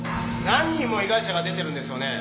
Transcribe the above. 何人も被害者が出てるんですよね？